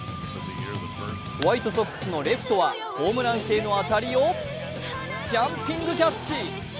ホワイトソックスのレフトはホームラン性の当たりをジャンピングキャッチ。